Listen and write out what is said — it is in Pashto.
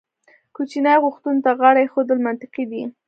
کوچنۍ غوښتنو ته غاړه ایښودل منطقي دي.